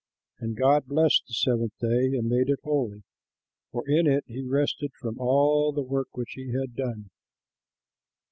And God blessed the seventh day and made it holy, for in it he rested from all the work which he had done.